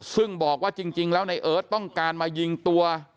ซึ่งบอกว่าจริงแล้วในเอิร์ทต้องการมายิงตัว